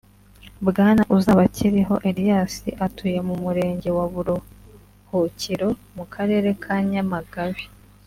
Bwana Uzabakiriho Elias atuye mu murenge wa Buruhukiro mu karere ka Nyamagabe